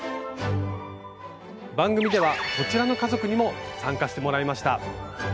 番組ではこちらの家族にも参加してもらいました。